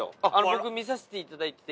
僕見させていただいてて。